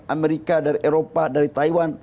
amerika dari eropa dari taiwan